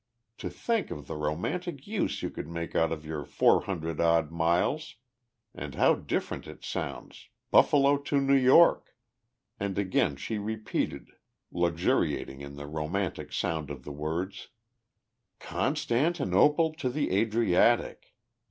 To think of the romantic use you could make of your four hundred odd miles, and how different it sounds Buffalo to New York!" And again she repeated, luxuriating in the romantic sound of the words: "Constantinople to the Adriatic!